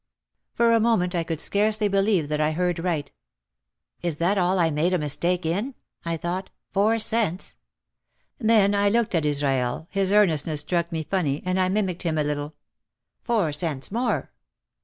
For a moment I could scarcely believe that I heard right. "Is that all I made a mistake in?" I thought, "four cents!" Then I looked at Israel, his earnestness struck me funny and I mimicked him a little. "Four cents more!"